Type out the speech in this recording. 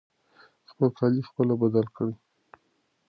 خپل کالي خپله بدل کړئ.